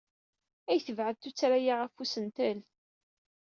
Ay tebɛed tuttra-a ɣef usentel!